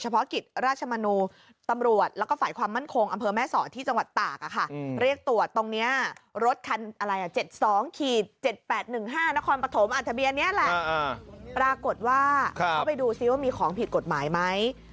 ปรากฏว่าเขาไปดูซิว่ามีของผิดกฎหมายไหม